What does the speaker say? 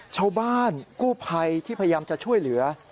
ชาวบ้านกู้ภัยที่พยายามจะช่วยเหลือ